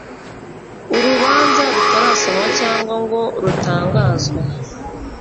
urubanza rutarasomwa cyangwa ngo rutangazwe